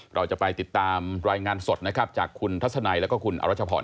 เราจะไปติดตามรายงานสดจากคุณทัศนัยและคุณอรัชพร